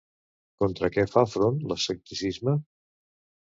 Contra què fa front l'escepticisme?